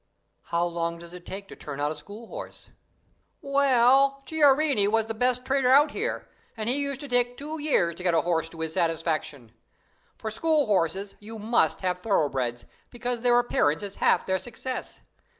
"How long does it take to turn out a school horse?" "Well, Chiarini was the best trainer out here, and he used to take two years to get a horse to his satisfaction. For school horses, you must have thoroughbreds, because their appearance is half their success.